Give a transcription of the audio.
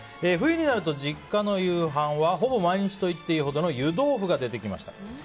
冬になると実家の夕飯はほぼ毎日といっていいほどの湯豆腐が出てきました。